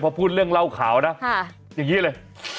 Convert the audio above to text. พอพูดเรื่องเล่าข่าวนะอย่างนี้เลย